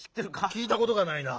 きいたことがないな。